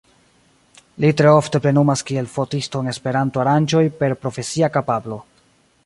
Li tre ofte plenumas kiel fotisto en Esperanto aranĝoj per profesia kapablo.